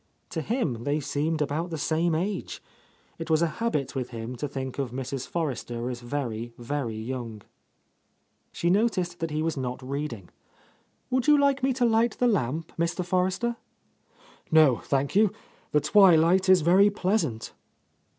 To him they seemed about the same age. It was a habit with him to think of Mrs. , Forrester as very, very young. •75 A Lost Lady She noticed that he was not reading. "Would you like me to light the lamp, Mr. Forrester?" "No, thank you. The twilight is very pleas ant."